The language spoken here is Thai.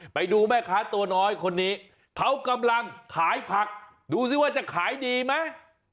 ไปดูแม่ค้าตัวน้อยคนนี้เขากำลังขายผักดูสิว่าจะขายดีไหม